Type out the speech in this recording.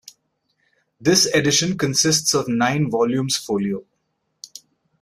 This edition consists of nine volumes folio.